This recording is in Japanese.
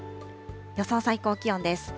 予想最高気温です。